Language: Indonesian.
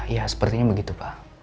ya sepertinya begitu pak